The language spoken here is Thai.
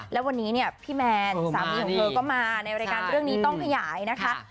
แล้ววันนี้เนี่ยพี่แมนสามีของเธอก็มาในรายการเรื่องนี้ต้องขยายนะคะ